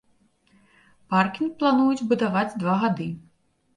Паркінг плануюць будаваць два гады.